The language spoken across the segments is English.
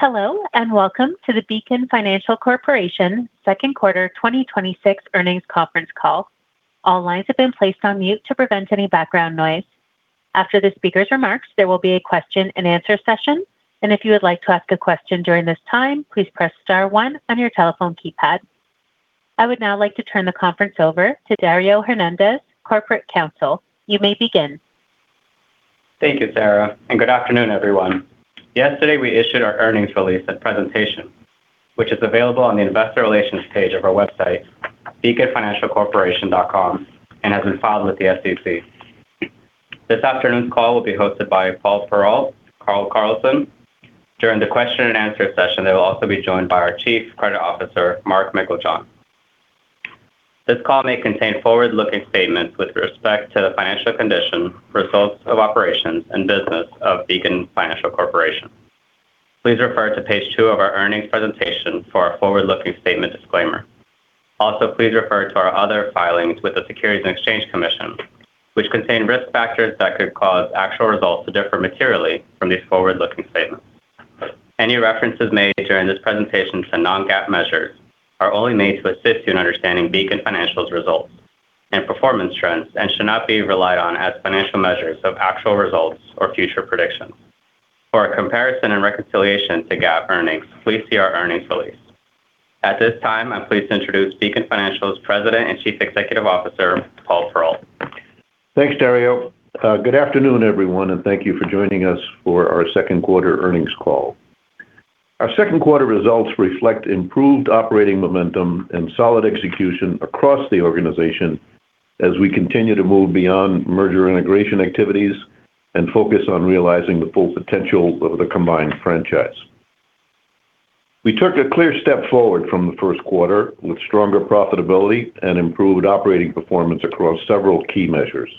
Hello, welcome to the Beacon Financial Corporation second quarter 2026 earnings conference call. All lines have been placed on mute to prevent any background noise. After the speakers' remarks, there will be a question and answer session. If you would like to ask a question during this time, please press star one on your telephone keypad. I would now like to turn the conference over to Dario Hernandez, Corporate Counsel. You may begin. Thank you, Sarah, and good afternoon, everyone. Yesterday, we issued our earnings release and presentation, which is available on the investor relations page of our website, beaconfinancialcorporation.com, and has been filed with the SEC. This afternoon's call will be hosted by Paul Perrault, Carl Carlson. During the question and answer session, they will also be joined by our Chief Credit Officer, Mark Meiklejohn. This call may contain forward-looking statements with respect to the financial condition, results of operations, and business of Beacon Financial Corporation. Please refer to page two of our earnings presentation for our forward-looking statement disclaimer. Also, please refer to our other filings with the Securities and Exchange Commission, which contain risk factors that could cause actual results to differ materially from these forward-looking statements. Any references made during this presentation to non-GAAP measures are only made to assist you in understanding Beacon Financial's results and performance trends and should not be relied on as financial measures of actual results or future predictions. For a comparison and reconciliation to GAAP earnings, please see our earnings release. At this time, I'm pleased to introduce Beacon Financial's President and Chief Executive Officer, Paul Perrault. Thanks, Dario. Good afternoon, everyone, and thank you for joining us for our second quarter earnings call. Our second quarter results reflect improved operating momentum and solid execution across the organization as we continue to move beyond merger integration activities and focus on realizing the full potential of the combined franchise. We took a clear step forward from the first quarter with stronger profitability and improved operating performance across several key measures.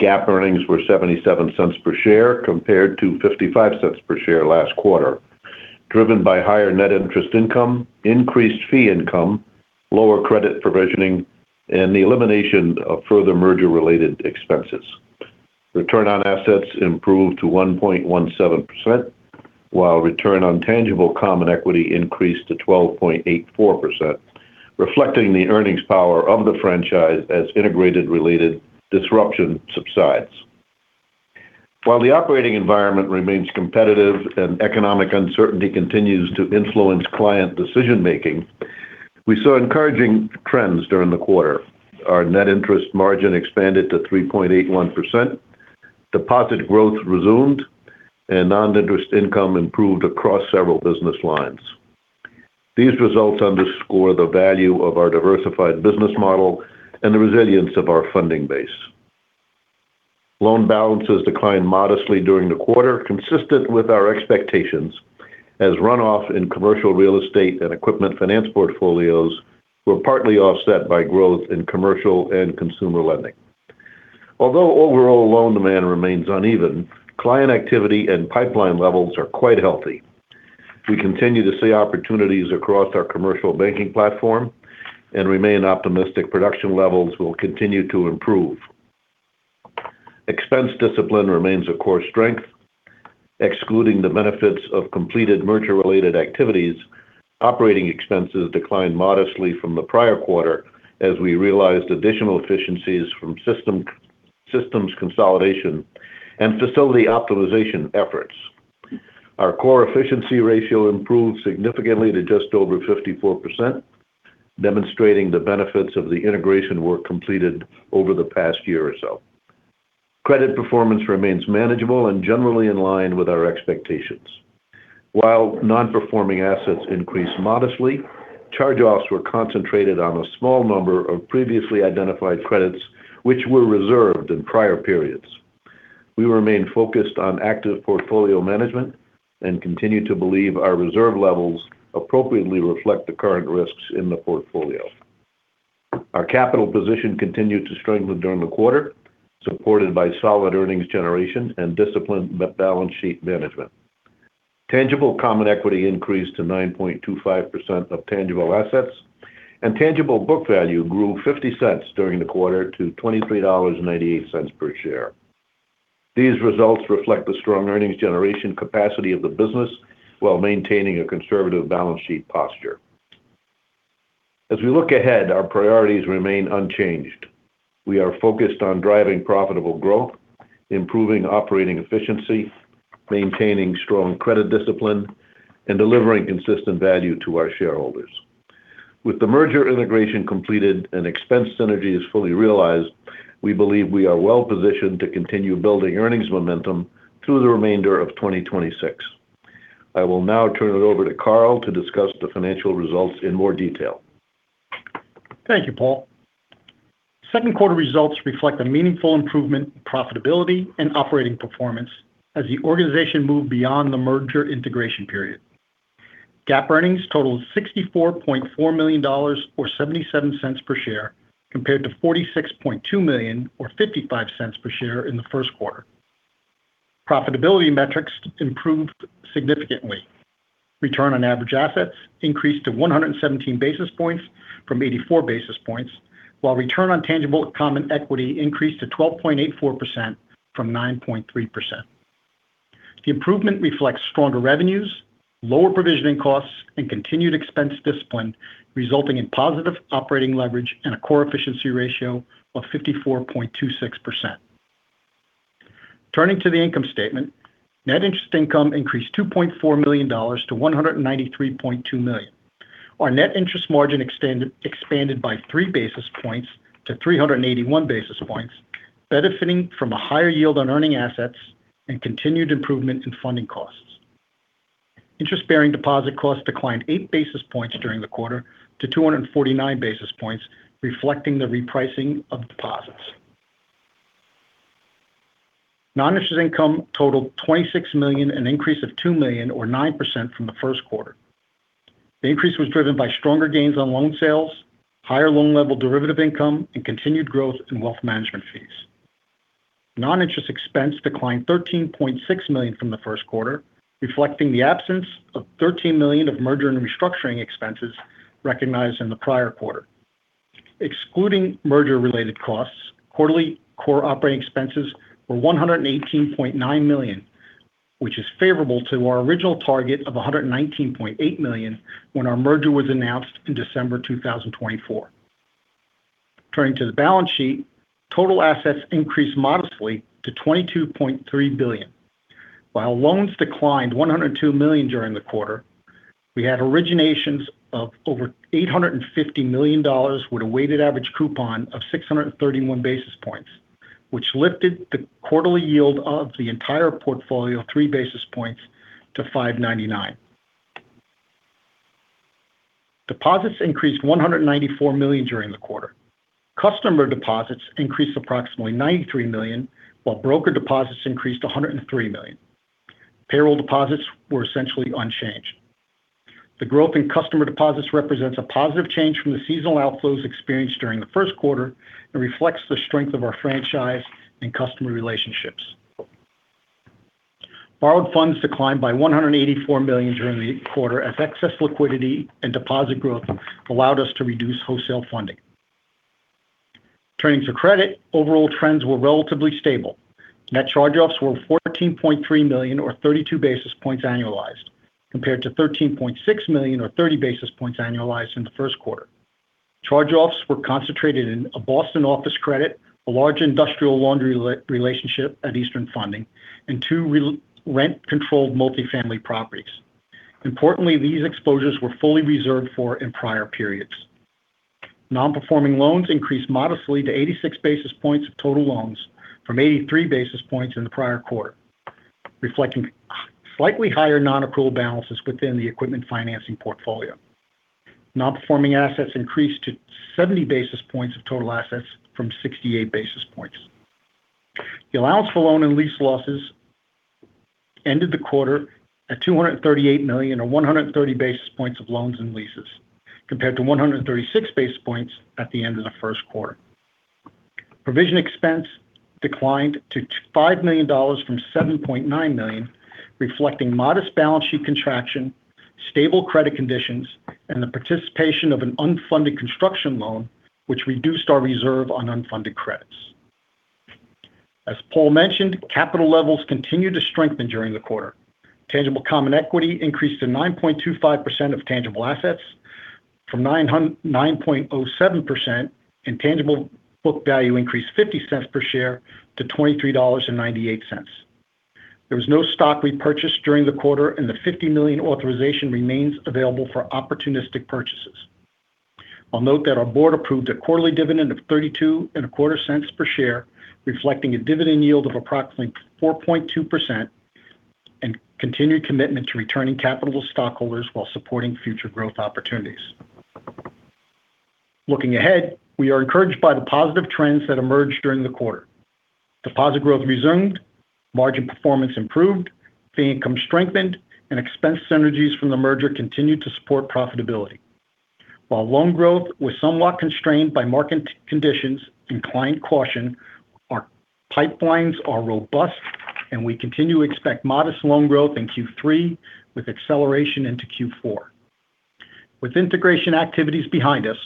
GAAP earnings were $0.77 per share compared to $0.55 per share last quarter, driven by higher net interest income, increased fee income, lower credit provisioning, and the elimination of further merger-related expenses. Return on assets improved to 1.17%, while return on tangible common equity increased to 12.84%, reflecting the earnings power of the franchise as integrated-related disruption subsides. While the operating environment remains competitive and economic uncertainty continues to influence client decision-making, we saw encouraging trends during the quarter. Our net interest margin expanded to 3.81%, deposit growth resumed, and non-interest income improved across several business lines. These results underscore the value of our diversified business model and the resilience of our funding base. Loan balances declined modestly during the quarter, consistent with our expectations, as runoff in commercial real estate and equipment finance portfolios were partly offset by growth in commercial and consumer lending. Although overall loan demand remains uneven, client activity and pipeline levels are quite healthy. We continue to see opportunities across our commercial banking platform and remain optimistic production levels will continue to improve. Expense discipline remains a core strength. Excluding the benefits of completed merger-related activities, operating expenses declined modestly from the prior quarter as we realized additional efficiencies from systems consolidation and facility optimization efforts. Our core efficiency ratio improved significantly to just over 54%, demonstrating the benefits of the integration work completed over the past year or so. Credit performance remains manageable and generally in line with our expectations. While non-performing assets increased modestly, charge-offs were concentrated on a small number of previously identified credits which were reserved in prior periods. We remain focused on active portfolio management and continue to believe our reserve levels appropriately reflect the current risks in the portfolio. Our capital position continued to strengthen during the quarter, supported by solid earnings generation and disciplined balance sheet management. Tangible common equity increased to 9.25% of tangible assets, and tangible book value grew $0.50 during the quarter to $23.98 per share. These results reflect the strong earnings generation capacity of the business while maintaining a conservative balance sheet posture. As we look ahead, our priorities remain unchanged. We are focused on driving profitable growth, improving operating efficiency, maintaining strong credit discipline, and delivering consistent value to our shareholders. With the merger integration completed and expense synergies fully realized, we believe we are well-positioned to continue building earnings momentum through the remainder of 2026. I will now turn it over to Carl to discuss the financial results in more detail. Thank you, Paul. Second quarter results reflect a meaningful improvement in profitability and operating performance as the organization moved beyond the merger integration period. GAAP earnings totaled $64.4 million, or $0.77 per share, compared to $46.2 million or $0.55 per share in the first quarter. Profitability metrics improved significantly. Return on average assets increased to 117 basis points from 84 basis points, while return on tangible common equity increased to 12.84% from 9.3%. The improvement reflects stronger revenues, lower provisioning costs, and continued expense discipline, resulting in positive operating leverage and a core efficiency ratio of 54.26%. Turning to the income statement, net interest income increased $2.4 million to $193.2 million. Our net interest margin expanded by three basis points to 381 basis points, benefiting from a higher yield on earning assets and continued improvement in funding costs. Interest-bearing deposit costs declined 8 basis points during the quarter to 249 basis points, reflecting the repricing of deposits. Non-interest income totaled $26 million, an increase of $2 million or 9% from the first quarter. The increase was driven by stronger gains on loan sales, higher loan level derivative income, and continued growth in wealth management fees. Non-interest expense declined $13.6 million from the first quarter, reflecting the absence of $13 million of merger and restructuring expenses recognized in the prior quarter. Excluding merger-related costs, quarterly core operating expenses were $118.9 million, which is favorable to our original target of $119.8 million when our merger was announced in December 2024. Turning to the balance sheet, total assets increased modestly to $22.3 billion. Loans declined $102 million during the quarter, we had originations of over $850 million with a weighted average coupon of 631 basis points, which lifted the quarterly yield of the entire portfolio three basis points to 599. Deposits increased $194 million during the quarter. Customer deposits increased approximately $93 million, while broker deposits increased $103 million. Payroll deposits were essentially unchanged. The growth in customer deposits represents a positive change from the seasonal outflows experienced during the first quarter and reflects the strength of our franchise and customer relationships. Borrowed funds declined by $184 million during the quarter as excess liquidity and deposit growth allowed us to reduce wholesale funding. Turning to credit, overall trends were relatively stable. Net charge-offs were $14.3 million, or 32 basis points annualized, compared to $13.6 million, or 30 basis points annualized in the first quarter. Charge-offs were concentrated in a Boston office credit, a large industrial laundry relationship at Eastern Funding, and two rent-controlled multifamily properties. Importantly, these exposures were fully reserved for in prior periods. Non-performing loans increased modestly to 86 basis points of total loans from 83 basis points in the prior quarter, reflecting slightly higher non-accrual balances within the equipment financing portfolio. Non-performing assets increased to 70 basis points of total assets from 68 basis points. The allowance for loan and lease losses ended the quarter at $238 million, or 130 basis points of loans and leases, compared to 136 basis points at the end of the first quarter. Provision expense declined to $5 million from $7.9 million, reflecting modest balance sheet contraction, stable credit conditions, and the participation of an unfunded construction loan, which reduced our reserve on unfunded credits. As Paul mentioned, capital levels continued to strengthen during the quarter. Tangible common equity increased to 9.25% of tangible assets from 9.07%, and tangible book value increased $0.50 per share to $23.98. There was no stock repurchased during the quarter, and the $50 million authorization remains available for opportunistic purchases. I'll note that our Board approved a quarterly dividend of $0.3225 per share, reflecting a dividend yield of approximately 4.2% and continued commitment to returning capital to stockholders while supporting future growth opportunities. Looking ahead, we are encouraged by the positive trends that emerged during the quarter. Deposit growth resumed, margin performance improved, fee income strengthened, expense synergies from the merger continued to support profitability. Loan growth was somewhat constrained by market conditions and client caution, our pipelines are robust, and we continue to expect modest loan growth in Q3 with acceleration into Q4. With integration activities behind us,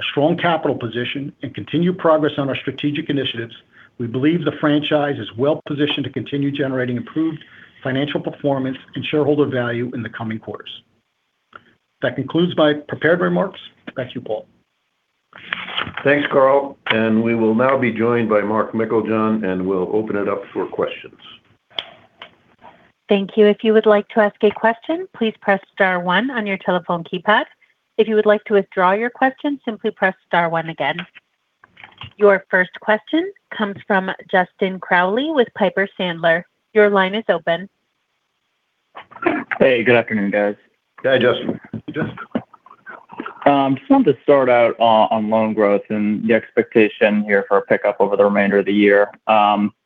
a strong capital position, and continued progress on our strategic initiatives, we believe the franchise is well-positioned to continue generating improved financial performance and shareholder value in the coming quarters. That concludes my prepared remarks. Thank you, Paul. Thanks, Carl. We will now be joined by Mark Meiklejohn, and we'll open it up for questions. Thank you. If you would like to ask a question, please press star one on your telephone keypad. If you would like to withdraw your question, simply press star one again. Your first question comes from Justin Crowley with Piper Sandler. Your line is open. Hey, good afternoon, guys. Hey, Justin. Justin. Just wanted to start out on loan growth and the expectation here for a pickup over the remainder of the year.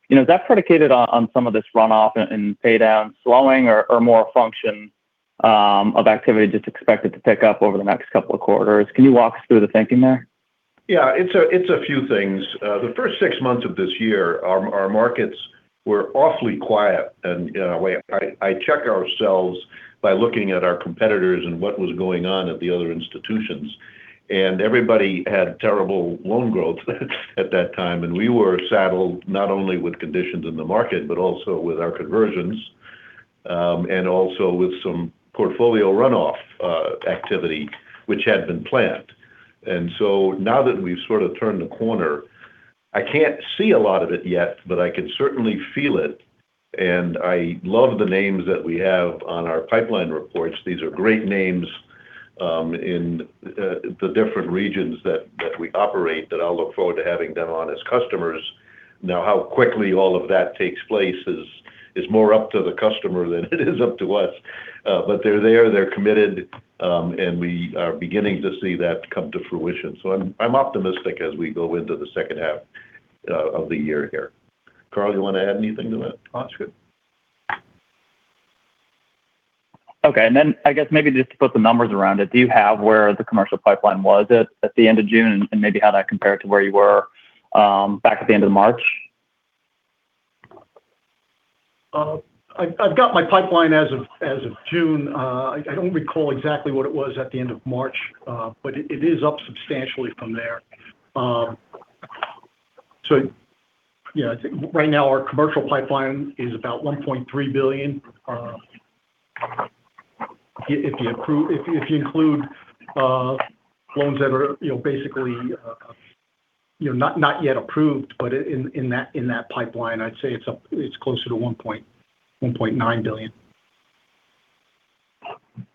Is that predicated on some of this runoff and pay down slowing or more a function of activity just expected to pick up over the next couple of quarters? Can you walk us through the thinking there? Yeah. It's a few things. The first six months of this year, our markets were awfully quiet. I check ourselves by looking at our competitors and what was going on at the other institutions. Everybody had terrible loan growth at that time, and we were saddled not only with conditions in the market but also with our conversions. Also with some portfolio runoff activity which had been planned. Now that we've sort of turned the corner, I can't see a lot of it yet, but I can certainly feel it. I love the names that we have on our pipeline reports. These are great names in the different regions that we operate, that I'll look forward to having them on as customers. How quickly all of that takes place is more up to the customer than it is up to us. They're there, they're committed, and we are beginning to see that come to fruition. I'm optimistic as we go into the second half of the year here. Carl, you want to add anything to that? No, that's good. Okay. I guess maybe just to put the numbers around it, do you have where the commercial pipeline was at the end of June, and maybe how that compared to where you were back at the end of March? I've got my pipeline as of June. I don't recall exactly what it was at the end of March. It is up substantially from there. Yeah, I think right now our commercial pipeline is about $1.3 billion. If you include loans that are basically not yet approved, but in that pipeline, I'd say it's closer to $1.9 billion.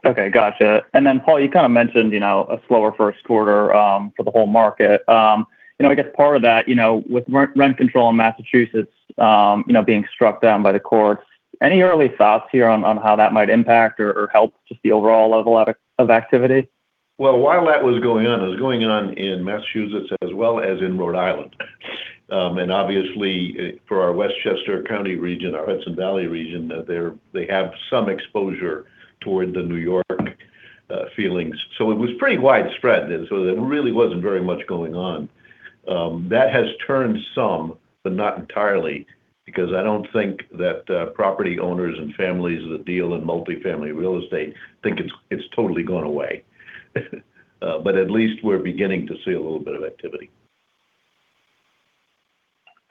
Okay, gotcha. Paul, you kind of mentioned a slower first quarter for the whole market. I guess part of that with rent control in Massachusetts being struck down by the courts, any early thoughts here on how that might impact or help just the overall level of activity? While that was going on, it was going on in Massachusetts as well as in Rhode Island. Obviously for our Westchester County region, our Hudson Valley region, they have some exposure toward the New York feelings. It was pretty widespread, there really wasn't very much going on. That has turned some, not entirely, because I don't think that property owners and families that deal in multifamily real estate think it's totally gone away. At least we're beginning to see a little bit of activity.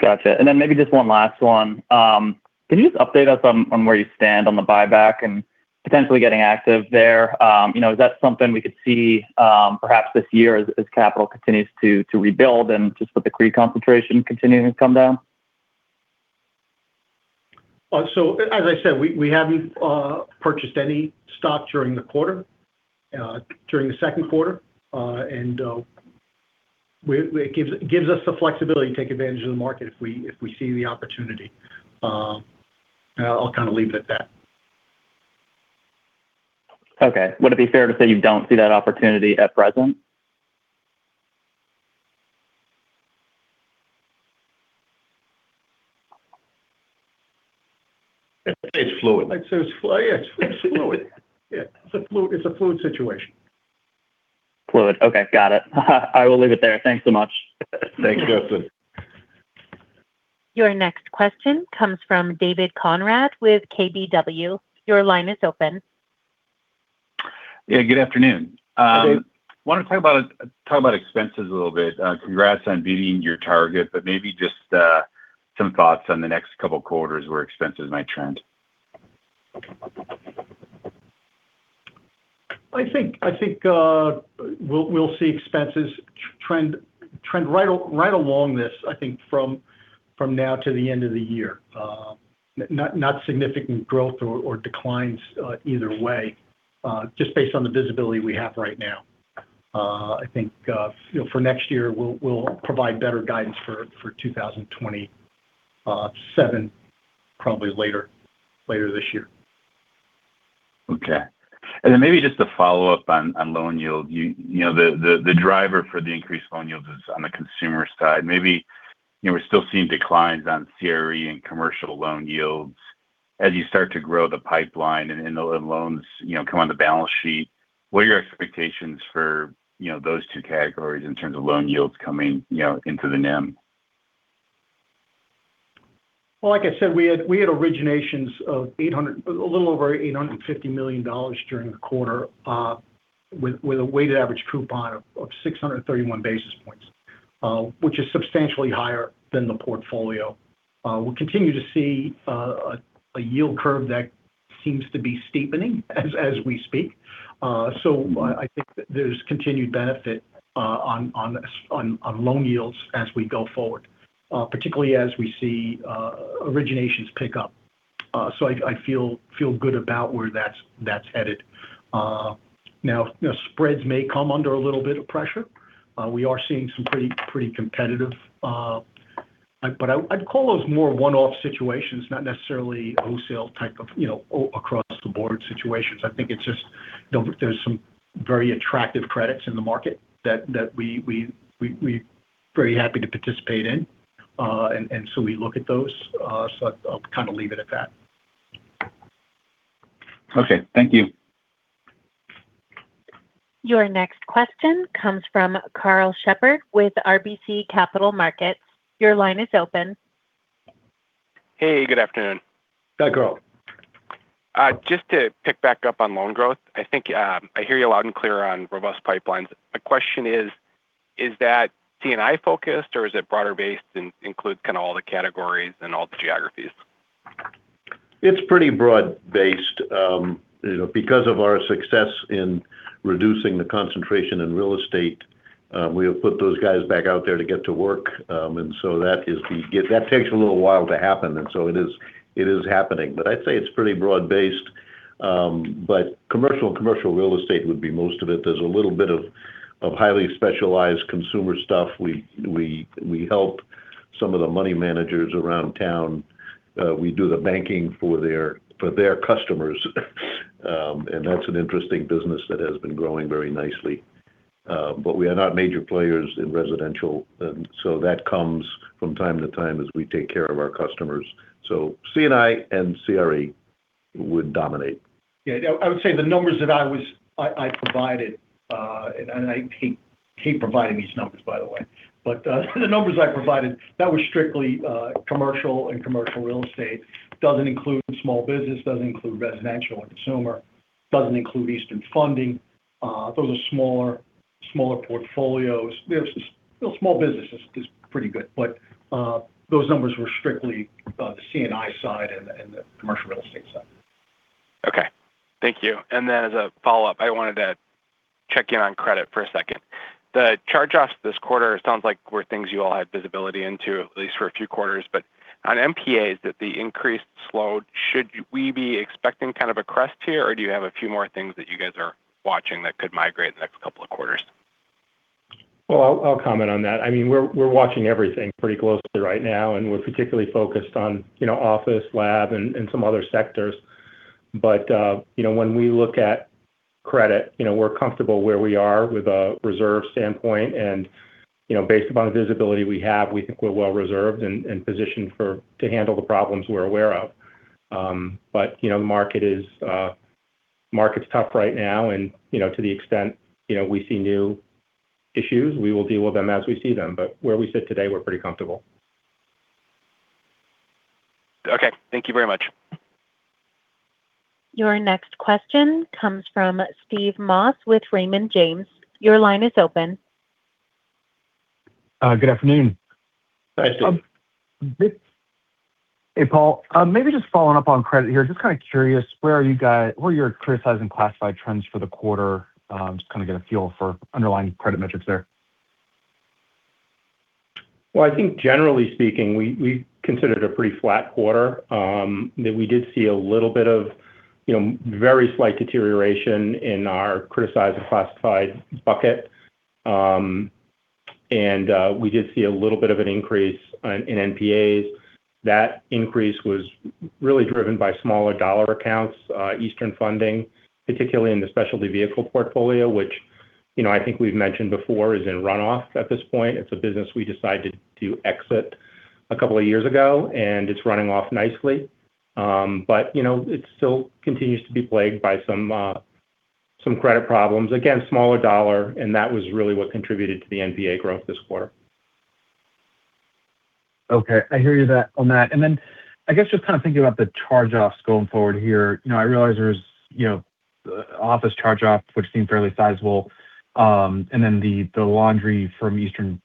Gotcha. Maybe just one last one. Can you just update us on where you stand on the buyback and potentially getting active there? Is that something we could see perhaps this year as capital continues to rebuild and just with the CRE concentration continuing to come down? As I said, we haven't purchased any stock during the quarter, during the second quarter. It gives us the flexibility to take advantage of the market if we see the opportunity. I'll kind of leave it at that. Okay. Would it be fair to say you don't see that opportunity at present? It's fluid. I'd say it's yeah, it's fluid. Yeah. It's a fluid situation. Fluid. Okay, got it. I will leave it there. Thanks so much. Thanks, Justin. Your next question comes from David Konrad with KBW. Your line is open. Yeah, good afternoon. Good day. Wanted to talk about expenses a little bit. Congrats on beating your target, but maybe just some thoughts on the next couple of quarters where expenses might trend. I think we'll see expenses trend right along this, I think from now to the end of the year. Not significant growth or declines either way, just based on the visibility we have right now. I think for next year, we'll provide better guidance for 2027 probably later this year. Okay. Maybe just to follow up on loan yield. The driver for the increased loan yield is on the consumer side. Maybe we're still seeing declines on CRE and commercial loan yields. As you start to grow the pipeline and the loans come on the balance sheet, what are your expectations for those two categories in terms of loan yields coming into the NIM? Well, like I said, we had originations of a little over $850 million during the quarter, with a weighted average coupon of 631 basis points, which is substantially higher than the portfolio. We'll continue to see a yield curve that seems to be steepening as we speak. I think that there's continued benefit on loan yields as we go forward, particularly as we see originations pick up. I feel good about where that's headed. Now, spreads may come under a little bit of pressure. We are seeing some pretty competitive But I'd call those more one-off situations, not necessarily wholesale type of across-the-board situations. I think it's just there's some very attractive credits in the market that we're very happy to participate in. We look at those. I'll kind of leave it at that. Okay. Thank you. Your next question comes from Karl Shepard with RBC Capital Markets. Your line is open. Hey, good afternoon. Hi, Karl. Just to pick back up on loan growth, I think I hear you loud and clear on robust pipelines. My question is that C&I focused or is it broader based and includes kind of all the categories and all the geographies? It's pretty broad-based. Because of our success in reducing the concentration in real estate, we have put those guys back out there to get to work. That takes a little while to happen, it is happening. I'd say it's pretty broad-based. Commercial and commercial real estate would be most of it. There's a little bit of highly specialized consumer stuff. We help some of the money managers around town. We do the banking for their customers, and that's an interesting business that has been growing very nicely. We are not major players in residential, that comes from time to time as we take care of our customers. C&I and CRE would dominate. I would say the numbers that I provided, I hate providing these numbers by the way, the numbers I provided, that was strictly commercial and commercial real estate. Doesn't include small business, doesn't include residential and consumer, doesn't include Eastern Funding. Those are smaller portfolios. Small business is pretty good. Those numbers were strictly the C&I side and the commercial real estate side. Okay. Thank you. As a follow-up, I wanted to check in on credit for a second. The charge-offs this quarter, it sounds like were things you all had visibility into, at least for a few quarters. On NPAs that the increase slowed, should we be expecting kind of a crest here, or do you have a few more things that you guys are watching that could migrate in the next couple of quarters? I'll comment on that. We're watching everything pretty closely right now, and we're particularly focused on office, lab, and some other sectors. When we look at credit, we're comfortable where we are with a reserve standpoint and based upon the visibility we have, we think we're well reserved and positioned to handle the problems we're aware of. The market's tough right now and to the extent we see new issues, we will deal with them as we see them. Where we sit today, we're pretty comfortable. Okay. Thank you very much. Your next question comes from Steve Moss with Raymond James. Your line is open. Good afternoon. Hi, Steve. Hey, Paul. Maybe just following up on credit here. Just kind of curious, where are your criticizing classified trends for the quarter? Just kind of get a feel for underlying credit metrics there. Well, I think generally speaking, we considered it a pretty flat quarter, that we did see a little bit of very slight deterioration in our criticized and classified bucket. We did see a little bit of an increase in NPAs. That increase was really driven by smaller dollar accounts, Eastern Funding, particularly in the specialty vehicle portfolio, which I think we've mentioned before is in runoff at this point. It's a business we decided to exit a couple of years ago, and it's running off nicely. It still continues to be plagued by some credit problems. Again, smaller dollar, and that was really what contributed to the NPA growth this quarter. Okay. I hear you on that. I guess just kind of thinking about the charge-offs going forward here. I realize there's office charge-offs, which seem fairly sizable, and then the laundry from Eastern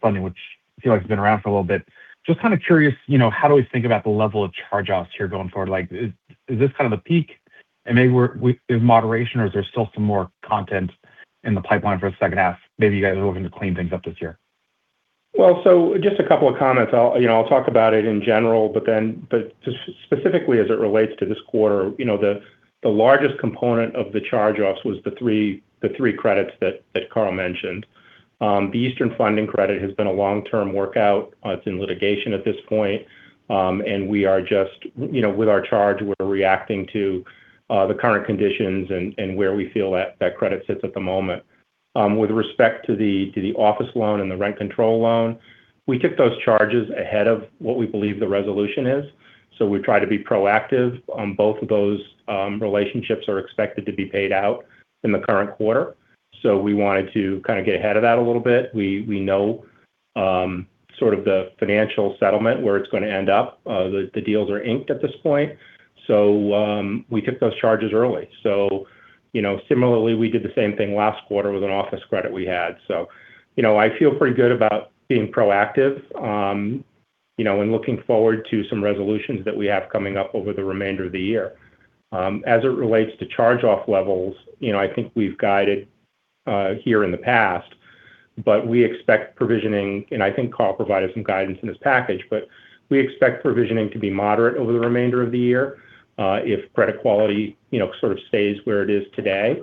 Funding, which feels like it's been around for a little bit. Just kind of curious, how do we think about the level of charge-offs here going forward? Is this kind of the peak and maybe There moderation or is there still some more content in the pipeline for the second half? Maybe you guys are looking to clean things up this year. Well, just a couple of comments. I'll talk about it in general, specifically as it relates to this quarter, the largest component of the charge-offs was the three credits that Carl mentioned. The Eastern Funding credit has been a long-term workout. It's in litigation at this point. We are just with our charge, we're reacting to the current conditions and where we feel that credit sits at the moment. With respect to the office loan and the rent control loan, we took those charges ahead of what we believe the resolution is. We try to be proactive. Both of those relationships are expected to be paid out in the current quarter. We wanted to kind of get ahead of that a little bit. We know sort of the financial settlement, where it's going to end up. The deals are inked at this point. We took those charges early. Similarly, we did the same thing last quarter with an office credit we had. I feel pretty good about being proactive and looking forward to some resolutions that we have coming up over the remainder of the year. As it relates to charge-off levels, I think we've guided here in the past, we expect provisioning, and I think Carl provided some guidance in his package, we expect provisioning to be moderate over the remainder of the year if credit quality sort of stays where it is today.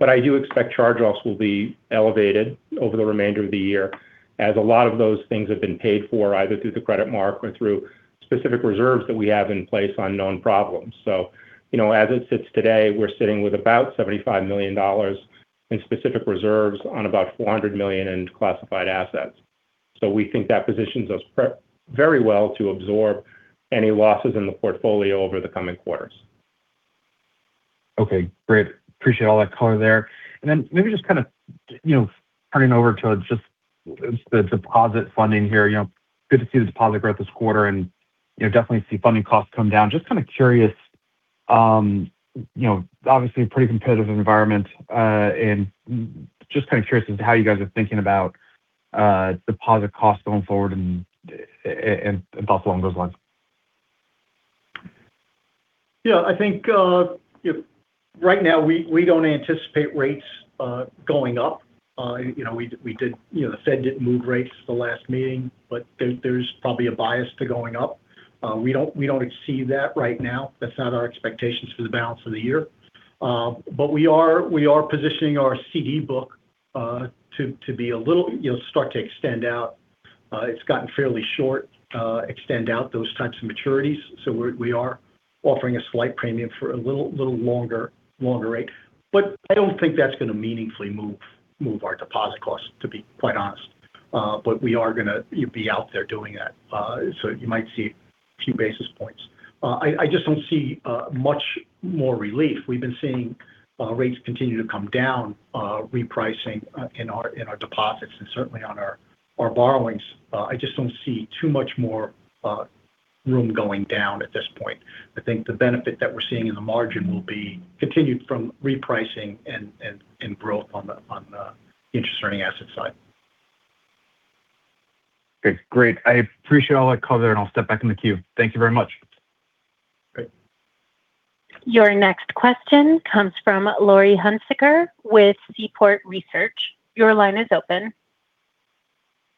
I do expect charge-offs will be elevated over the remainder of the year as a lot of those things have been paid for, either through the credit mark or through specific reserves that we have in place on known problems. As it sits today, we're sitting with about $75 million in specific reserves on about $400 million in classified assets. We think that positions us very well to absorb any losses in the portfolio over the coming quarters. Okay, great. Appreciate all that color there. Then maybe just kind of turning over to just the deposit funding here. Good to see the deposit growth this quarter and definitely see funding costs come down. Just kind of curious, obviously a pretty competitive environment, as to how you guys are thinking about deposit costs going forward and thoughts along those lines. I think right now we don't anticipate rates going up. The Fed didn't move rates the last meeting, there's probably a bias to going up. We don't foresee that right now. That's not our expectations for the balance of the year. We are positioning our CD book to start to extend out. It's gotten fairly short, extend out those types of maturities. We are offering a slight premium for a little longer rate. I don't think that's going to meaningfully move our deposit costs, to be quite honest. We are going to be out there doing that. You might see a few basis points. I just don't see much more relief. We've been seeing rates continue to come down, repricing in our deposits and certainly on our borrowings. I just don't see too much more room going down at this point. I think the benefit that we're seeing in the margin will be continued from repricing and growth on the interest-earning asset side. Okay, great. I appreciate all that color, and I'll step back in the queue. Thank you very much. Great. Your next question comes from Laurie Hunsicker with Seaport Research. Your line is open.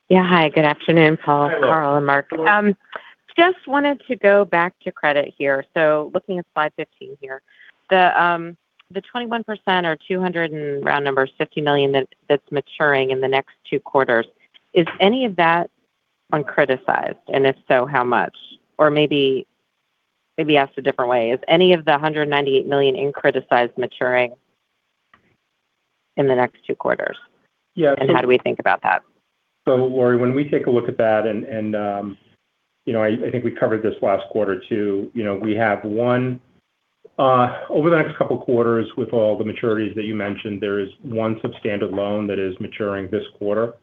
Yeah. Hi, good afternoon, Paul. Hi, Laurie Carl, and Mark. Just wanted to go back to credit here. Looking at slide 15 here. The 21% or, round numbers, $250 million that's maturing in the next two quarters, is any of that uncriticized? If so, how much? Or maybe asked a different way, is any of the $198 million in criticized maturing in the next two quarters? Yeah- How do we think about that? Laurie, when we take a look at that, and I think we covered this last quarter too. Over the next couple of quarters with all the maturities that you mentioned, there is one substandard loan that is maturing this quarter.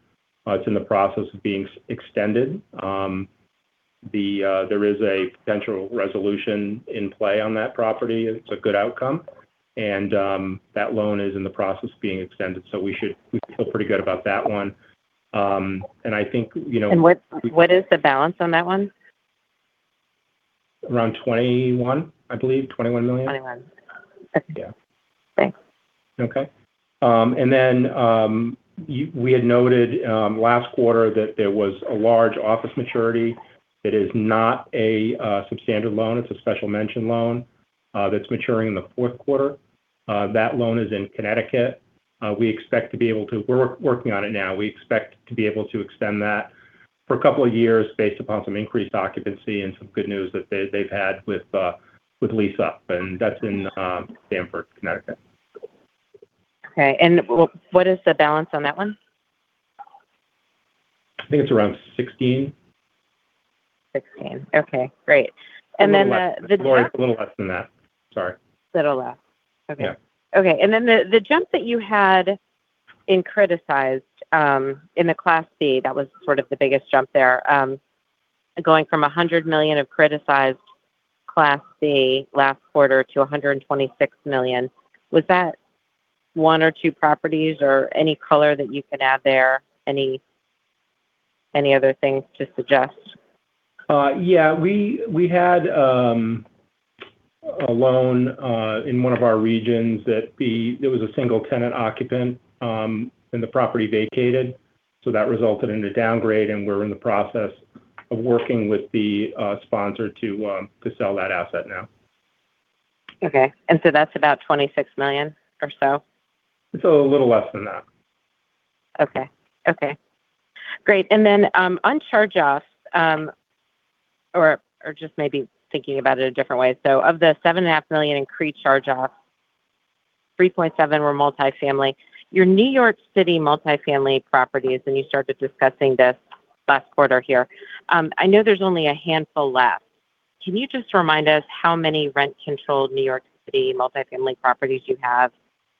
It's in the process of being extended. There is a potential resolution in play on that property. It's a good outcome. That loan is in the process of being extended, so we feel pretty good about that one. What is the balance on that one? Around $21 million, I believe. $21 million. $21 million. Yeah. Thanks. Okay. Then, we had noted last quarter that there was a large office maturity that is not a substandard loan. It's a special mention loan that's maturing in the fourth quarter. That loan is in Connecticut. We're working on it now. We expect to be able to extend that for a couple of years based upon some increased occupancy and some good news that they've had with lease-up. That's in Stamford, Connecticut. Okay. What is the balance on that one? I think it's around $16 million. $16 million. Okay, great. It's a little less than that. Sorry. Little less. Okay. Yeah. Okay. Then the jump that you had in criticized, in the Class C, that was sort of the biggest jump there. Going from $100 million of criticized Class C last quarter to $126 million. Was that one or two properties or any color that you can add there? Any other things to suggest? Yeah. We had a loan in one of our regions that there was a single-tenant occupant, and the property vacated. That resulted in a downgrade, and we're in the process of working with the sponsor to sell that asset now. Okay. That's about $26 million or so? It's a little less than that. Okay. Great. On charge-offs, or just maybe thinking about it a different way. Of the $7.5 million increased charge-offs, $3.7 million were multifamily. Your New York City multifamily properties, and you started discussing this last quarter here. I know there's only a handful left. Can you just remind us how many rent-controlled New York City multifamily properties you have,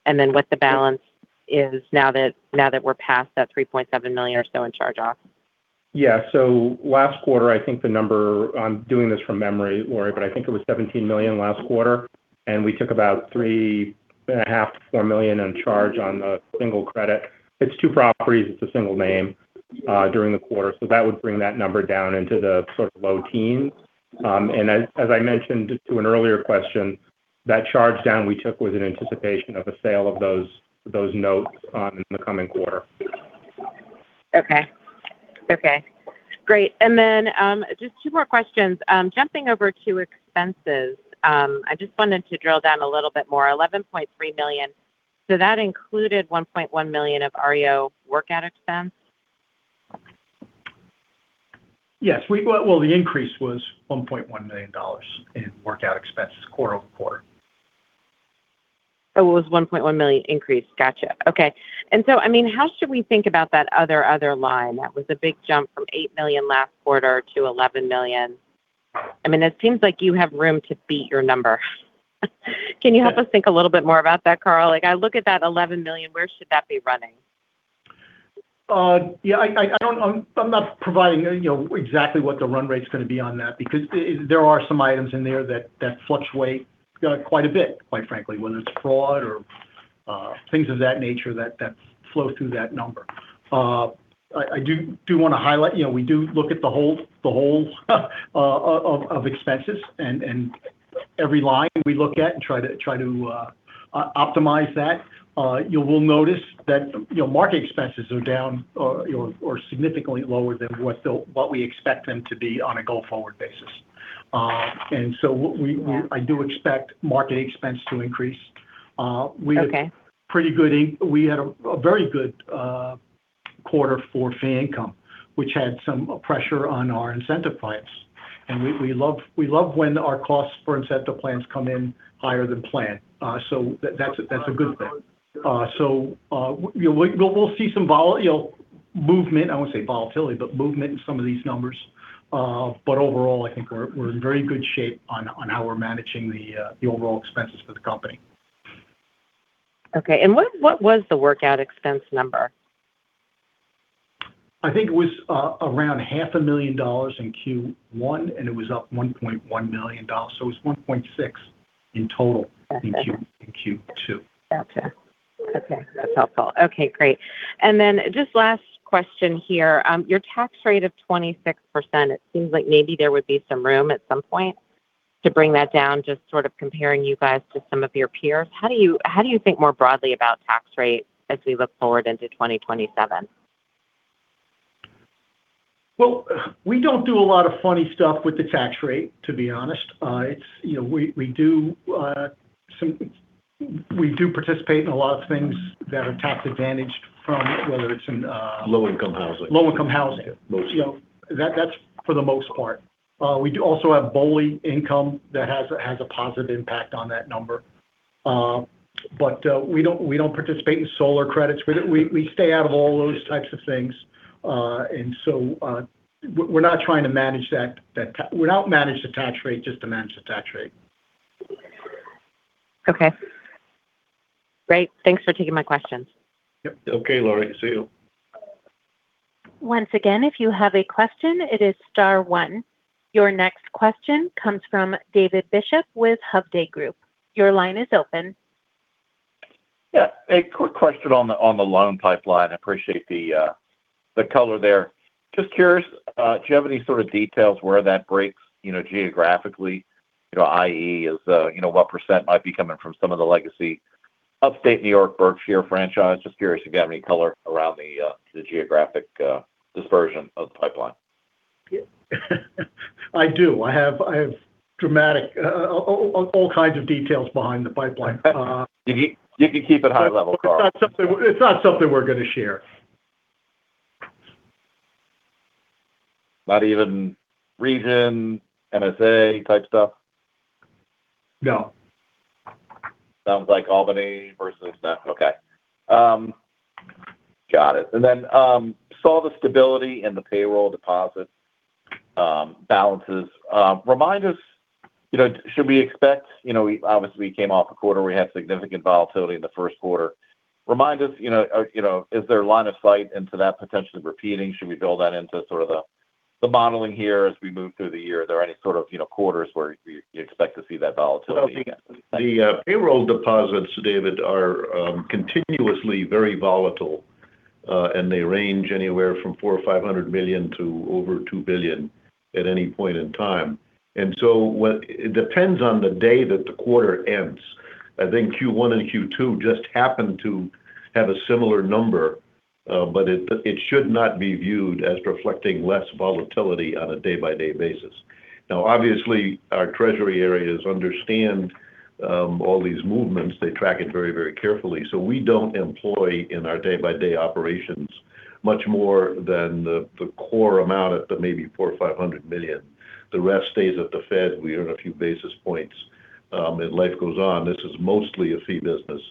and then what the balance is now that we're past that $3.7 million or so in charge-offs? Yeah. Last quarter, I think the number, I'm doing this from memory, Laurie, but I think it was $17 million last quarter. We took about $3.5 million-$4 million in charge on a single credit. It's two properties, it's a single name, during the quarter. That would bring that number down into the sort of low teens. As I mentioned to an earlier question, that charge down we took was in anticipation of a sale of those notes in the coming quarter. Okay. Great. Just two more questions. Jumping over to expenses. I just wanted to drill down a little bit more. $11.3 million, that included $1.1 million of REO workout expense? Yes. Well, the increase was $1.1 million in workout expenses quarter-over-quarter. Oh, it was $1.1 million increase. Gotcha. Okay. How should we think about that other line? That was a big jump from $8 million last quarter to $11 million. It seems like you have room to beat your number. Can you help us think a little bit more about that, Carl? I look at that $11 million, where should that be running? Yeah. I'm not providing exactly what the run rate's going to be on that because there are some items in there that fluctuate quite a bit, quite frankly, whether it's fraud or things of that nature that flow through that number. I do want to highlight, we do look at the whole of expenses and every line we look at and try to optimize that. You will notice that your market expenses are down or significantly lower than what we expect them to be on a go-forward basis. I do expect marketing expense to increase. Okay. We had a very good quarter for fee income, which had some pressure on our incentive plans. We love when our costs for incentive plans come in higher than planned. That's a good thing. We'll see some movement, I won't say volatility, but movement in some of these numbers. Overall, I think we're in very good shape on how we're managing the overall expenses for the company. Okay. What was the workout expense number? I think it was around half a million dollars in Q1, and it was up $1.1 million. It's $1.6 million in total- Okay in Q2. Okay. That's helpful. Okay, great. Just last question here. Your tax rate of 26%, it seems like maybe there would be some room at some point to bring that down, just sort of comparing you guys to some of your peers. How do you think more broadly about tax rate as we look forward into 2027? We don't do a lot of funny stuff with the tax rate, to be honest. We do participate in a lot of things that are tax advantaged from whether it's in- Low-income housing Low-income housing. Yeah. Most. That's for the most part. We also have BOLI income that has a positive impact on that number. We don't participate in solar credits. We stay out of all those types of things. We're not trying to manage the tax rate just to manage the tax rate. Okay. Great. Thanks for taking my questions. Yep. Okay, Laurie. See you. Once again, if you have a question, it is star one. Your next question comes from David Bishop with Hovde Group. Your line is open. Yeah. A quick question on the loan pipeline. I appreciate the color there. Just curious, do you have any sort of details where that breaks geographically? I.e., what percent might be coming from some of the legacy upstate New York, Berkshire franchise? Just curious if you have any color around the geographic dispersion of the pipeline. I do. I have dramatic all kinds of details behind the pipeline. You can keep it high level, Carl. It's not something we're going to share. Not even region, MSA-type stuff? No. Sounds like Albany. Okay. Got it. Saw the stability in the payroll deposit balances. Remind us, should we expect, obviously we came off a quarter, we had significant volatility in the first quarter. Remind us, is there a line of sight into that potentially repeating? Should we build that into sort of the modeling here as we move through the year? Are there any sort of quarters where you expect to see that volatility? The payroll deposits, David, are continuously very volatile. They range anywhere from $400 million or $500 million to over $2 billion at any point in time. It depends on the day that the quarter ends. I think Q1 and Q2 just happened to have a similar number. It should not be viewed as reflecting less volatility on a day-by-day basis. Obviously, our treasury areas understand all these movements. They track it very carefully. We don't employ in our day-by-day operations much more than the core amount at the maybe $400 million or $500 million. The rest stays at the Fed. We earn a few basis points, and life goes on. This is mostly a fee business.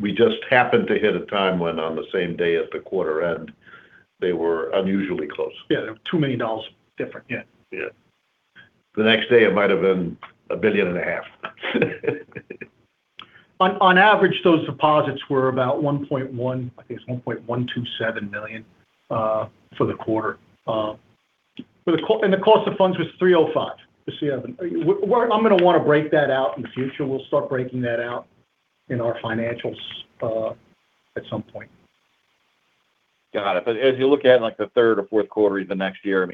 We just happened to hit a time when on the same day as the quarter end, they were unusually close. Yeah, they were $2 million different. Yeah. Yeah. The next day, it might've been a $1.5 billion. On average, those deposits were about $1.1 billion, I think it's $1.127 billion for the quarter. The cost of funds was 3.05%. I'm going to want to break that out in the future. We'll start breaking that out in our financials at some point. Got it. As you look ahead, like the third or fourth quarter of next year,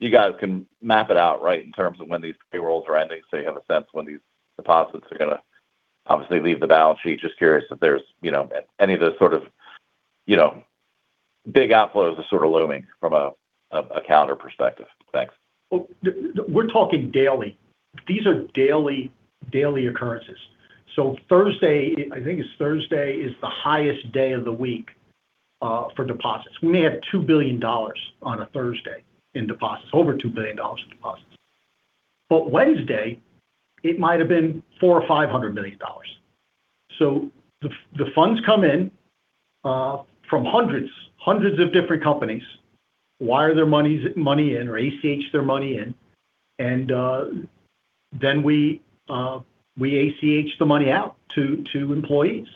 you guys can map it out, right, in terms of when these payrolls are ending, so you have a sense when these deposits are going to obviously leave the balance sheet. Just curious if there's any of those sort of big outflows are sort of looming from a calendar perspective. Thanks. We're talking daily. These are daily occurrences. Thursday, I think it's Thursday, is the highest day of the week for deposits. We may have $2 billion on a Thursday in deposits, over $2 billion in deposits. Wednesday, it might've been $400 million or $500 million. The funds come in from hundreds of different companies, wire their money in or ACH their money in. Then we ACH the money out to employees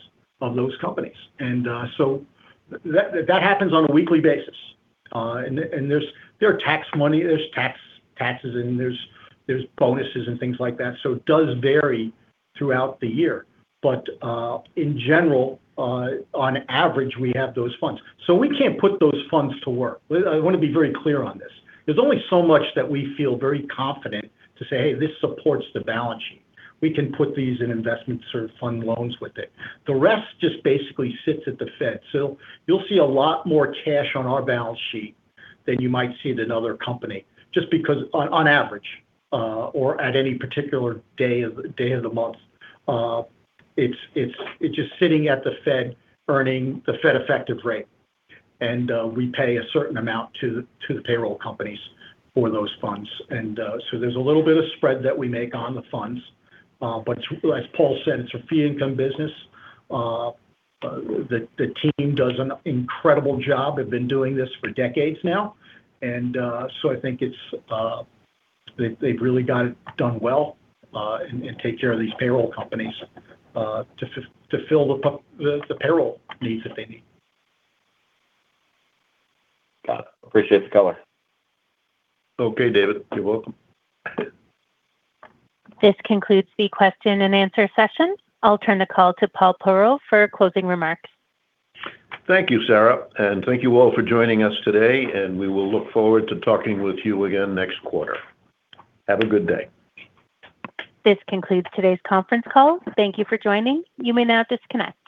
of those companies. That happens on a weekly basis. There are tax money, there's taxes in, there's bonuses and things like that. It does vary throughout the year. In general, on average, we have those funds. We can't put those funds to work. I want to be very clear on this. There's only so much that we feel very confident to say, "Hey, this supports the balance sheet. We can put these in investment sort of fund loans with it." The rest just basically sits at the Fed. You'll see a lot more cash on our balance sheet than you might see at another company, just because on average or at any particular day of the month, it's just sitting at the Fed earning the Fed effective rate. We pay a certain amount to the payroll companies for those funds. There's a little bit of spread that we make on the funds. As Paul said, it's a fee income business. The team does an incredible job. They've been doing this for decades now. I think they've really got it done well and take care of these payroll companies to fill the payroll needs that they need. Got it. Appreciate the color. Okay, David. You're welcome. This concludes the question and answer session. I'll turn the call to Paul Perrault for closing remarks. Thank you, Sarah, and thank you all for joining us today. We will look forward to talking with you again next quarter. Have a good day. This concludes today's conference call. Thank you for joining. You may now disconnect.